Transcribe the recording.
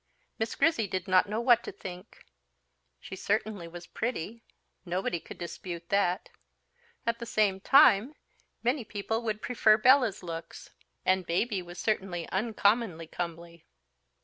Miss Grizzy did not know what to think; she certainly was pretty nobody could dispute that. At the same time, many people would prefer Bella's looks; and Baby was certainly uncommonly comely.